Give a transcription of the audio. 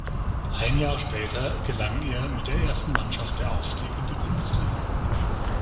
Ein Jahr später gelang ihr mit der ersten Mannschaft der Aufstieg in die Bundesliga.